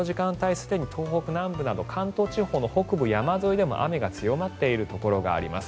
すでに東北南部など関東地方の北部山沿いでも雨が強まっているところがあります。